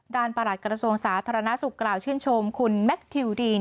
ด่านประหลาดกรสมสาธารณสุขกล่าวชื่นชมคุณแม็คทิวดีน